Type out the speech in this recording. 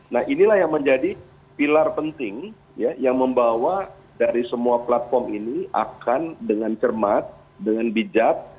nah inilah yang menjadi pilar penting yang membawa dari semua platform ini akan dengan cermat dengan bijak